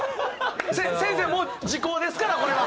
先生もう時効ですからこれは。